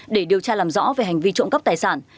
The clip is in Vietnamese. để điều tra làm rõ về hành vi trộm cắp tài sản